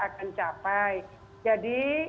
akan capai jadi